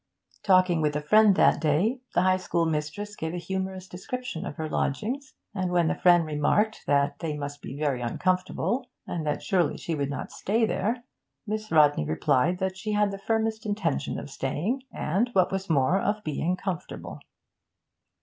Talking with a friend that day, the High School mistress gave a humorous description of her lodgings, and when the friend remarked that they must be very uncomfortable, and that surely she would not stay there, Miss Rodney replied that she had the firmest intention of staying, and, what was more, of being comfortable.